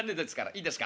いいですか？